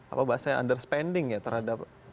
apa bahasanya underspending ya terhadap